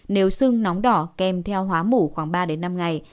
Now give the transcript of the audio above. nếu sưng nóng đỏ kem theo hóa mủ khoảng ba năm ngày